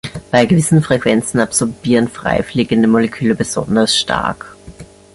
Bei gewissen Frequenzen absorbieren frei fliegende Moleküle besonders stark.